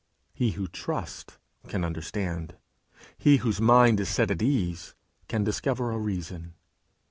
He who trusts can understand; he whose mind is set at ease can discover a reason.